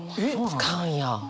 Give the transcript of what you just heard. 使うんや！